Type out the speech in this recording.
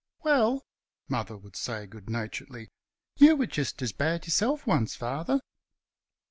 "Well" Mother would say good naturedly, "you were just as bad y'self once, Father."